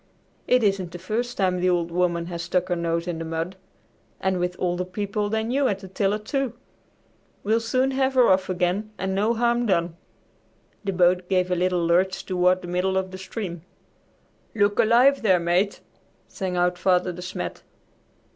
"It isn't the first time the 'Old Woman' has stuck her nose in the mud, and with older people than you at the tiller, too! We'll soon have her off again and no harm done." The boat gave a little lurch toward the middle of the stream. "Look alive there, Mate!" sang out Father De Smet.